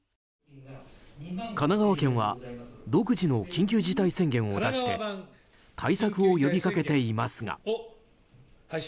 神奈川県は独自の緊急事態宣言を出して対策を呼びかけていますが。